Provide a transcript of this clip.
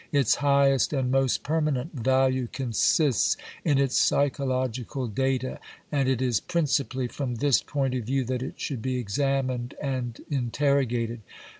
Its highest and most permanent value consists in its psychological data, and it is principally from this point of view that it should be examined and interrogated.